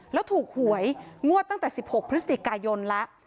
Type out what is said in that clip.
แล้วถูกหวยงวดตั้งแต่๑๖พฤศจิกายนแล้ว